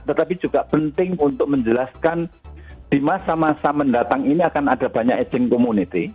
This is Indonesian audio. tetapi juga penting untuk menjelaskan di masa masa mendatang ini akan ada banyak aging community